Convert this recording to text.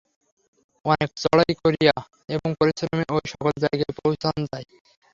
অনেক চড়াই করিয়া এবং পরিশ্রমে ঐ-সকল জায়গায় পৌঁছান যায়।